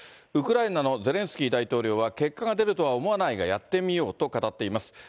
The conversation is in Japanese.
ウクライナのゼレンスキー大統領は、結果が出るとは思わないが、やってみようと語っています。